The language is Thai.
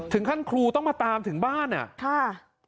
ถึงครั่งครูต้องมาตามถึงบ้านอ่ะ